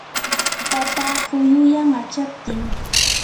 papa quyuyan achaptin.